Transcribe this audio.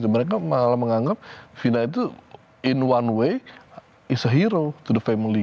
mereka malah menganggap vina itu in one way is a hero to the family